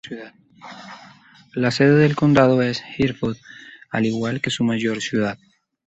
La sede del condado es Hereford, al igual que su mayor ciudad.